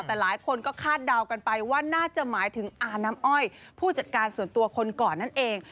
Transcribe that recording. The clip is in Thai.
แต่หลายคนก็คาดเดากันไปว่าน่าจะหมายถึงอาน้ำอ้อยผู้จัดการส่วนตัวคนก่อนนั่นเอง